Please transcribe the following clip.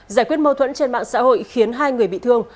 giải quyết mâu thuẫn trên mạng xã hội khiến hai người bị thương